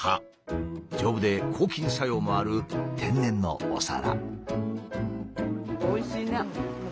丈夫で抗菌作用もある天然のお皿。